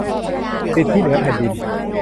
สิทธิเหนือพื้นดิน